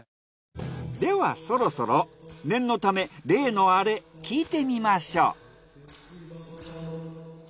ではそろそろ念のため例のアレ聞いてみましょう。